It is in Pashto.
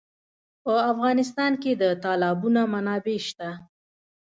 په افغانستان کې د تالابونه منابع شته.